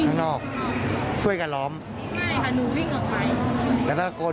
วิ่งไปจนถึงเยี่ยมกลางก็มีพลเมืองดีวิ่งเห็นราวตระกูล